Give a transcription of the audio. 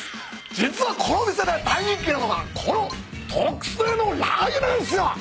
実はこの店で大人気なのがこの特製のラー油なんすよ。